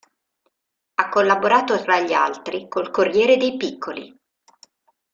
Ha collaborato tra gli altri col Corriere dei Piccoli.